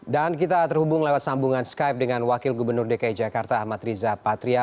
dan kita terhubung lewat sambungan skype dengan wakil gubernur dki jakarta amat riza patria